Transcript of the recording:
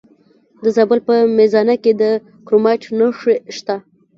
د زابل په میزانه کې د کرومایټ نښې شته.